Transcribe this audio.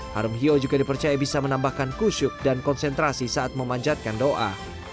harum hio juga dipercaya bisa menambahkan kusyuk dan konsentrasi saat memanjatkan doa